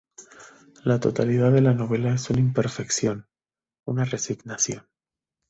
La totalidad de la novela es una imperfección, una resignación.